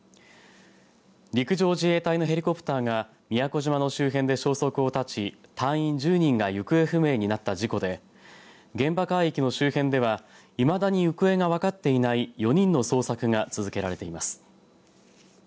陸上自衛隊のヘリコプターが宮古島の周辺で消息を絶ち隊員１０人が行方不明になった事故で現場海域の周辺ではいまだに行方が分かっていない４人の捜索が続けられています。